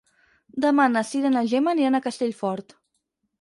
Demà na Cira i na Gemma aniran a Castellfort.